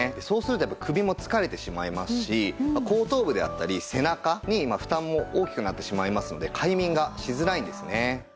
そうするとやっぱり首も疲れてしまいますし後頭部であったり背中に負担も大きくなってしまいますので快眠がしづらいんですね。